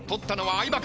相葉君。